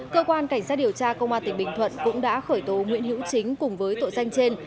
cơ quan cảnh sát điều tra công an tỉnh bình thuận cũng đã khởi tố nguyễn hữu chính cùng với tội danh trên